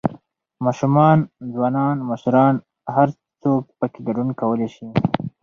، ماشومان، ځوانان، مشران هر څوک پکې ګډون کولى شي